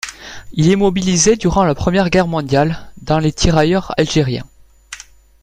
Il est mobilisé durant la Première Guerre mondiale dans les tirailleurs algériens.